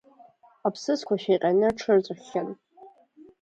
Аԥсыӡқәа шәаҟьаны рҽырҵәаххьан.